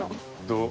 どう？